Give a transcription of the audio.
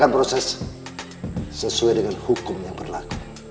dan proses sesuai dengan hukum yang berlaku